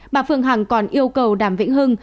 bà phương hằng còn yêu cầu đàm vĩnh hưng